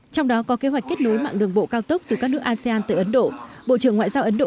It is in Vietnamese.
trong đó có kế hoạch kết nối mạng đường bộ cao tốc từ các nước asean tới ấn độ